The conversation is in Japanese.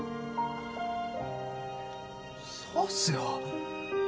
そうっすよ。